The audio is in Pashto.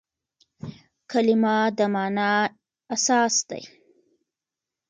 کلیمه د مانا اساس دئ.